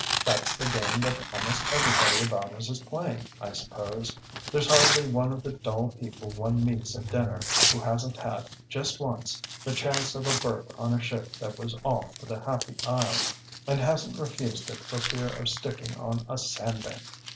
That's the game that almost everybody about us is playing, I suppose; there's hardly one of the dull people one meets at dinner who hasn't had, just once, the chance of a berth on a ship that was off for the Happy Isles, and hasn't refused it for fear of sticking on a sand bank!